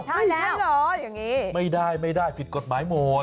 ใช่แล้วไม่ใช่เหรออย่างนี้ไม่ได้ผิดกฎหมายหมด